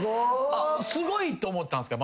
すごいと思ったんすか？